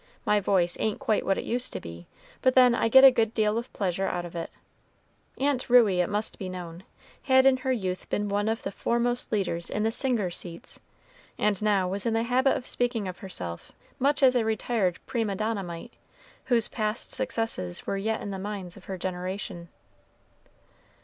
My voice ain't quite what it used to be, but then I get a good deal of pleasure out of it." Aunt Ruey, it must be known, had in her youth been one of the foremost leaders in the "singers' seats," and now was in the habit of speaking of herself much as a retired prima donna might, whose past successes were yet in the minds of her generation.